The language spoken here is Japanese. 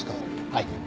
はい。